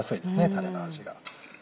タレの味が。